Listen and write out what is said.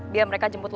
biar mereka jemput lo